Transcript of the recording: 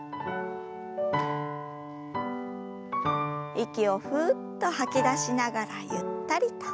息をふっと吐き出しながらゆったりと。